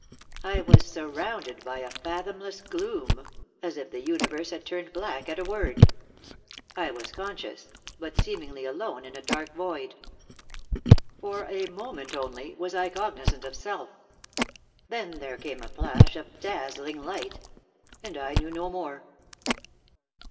I was surrounded by a fathomless gloom, as if the universe had turned black at a word. I was conscious, but seemingly alone in a dark void. For a moment only was I cognizant of self. Then there came a flash of dazzling light, and I knew no more.